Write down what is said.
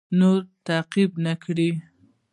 نور تعقیب نه کړ.